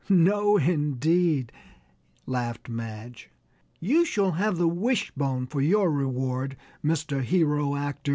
"No, indeed," laughed Madge, "you shall have the wishbone for your reward, Mr. Hero Actor."